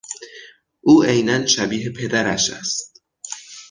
او عینا شبیه پدرش است.